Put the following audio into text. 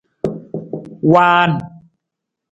Waan.